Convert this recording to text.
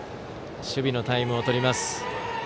守備のタイムをとります。